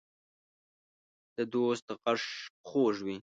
د دوست غږ خوږ وي.